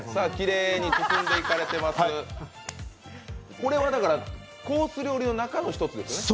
これはコース料理の中の１つですね？